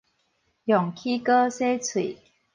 用齒膏洗喙